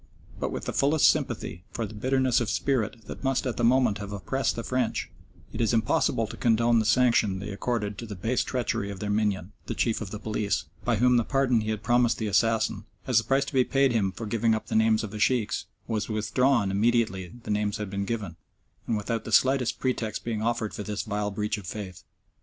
But with the fullest sympathy for the bitterness of spirit that must at the moment have oppressed the French, it is impossible to condone the sanction they accorded to the base treachery of their minion, the Chief of the Police, by whom the pardon he had promised the assassin, as the price to be paid him for giving up the names of the Sheikhs, was withdrawn immediately the names had been given, and without the slightest pretext being offered for this vile breach of faith.